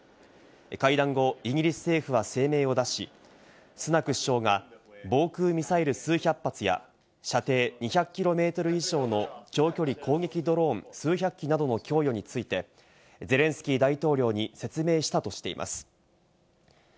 会談後、イギリス政府は声明を出し、スナク首相が防空ミサイル数百発や射程２００キロ以上の長距離攻撃ドローン数百機などの供与についてゼレンスキー大統領に説明したとしています。